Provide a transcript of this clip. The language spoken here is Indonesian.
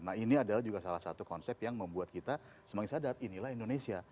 nah ini adalah juga salah satu konsep yang membuat kita semakin sadar inilah indonesia